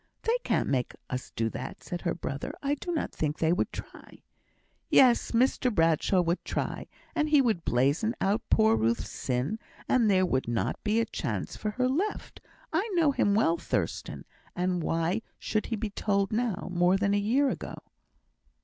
"They can't make us do that," said her brother. "I do not think they would try." "Yes, Mr Bradshaw would try; and he would blazon out poor Ruth's sin, and there would not be a chance for her left. I know him well, Thurstan; and why should he be told now, more than a year ago?"